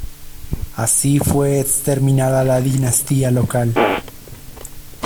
Así fue exterminada la dinastía local.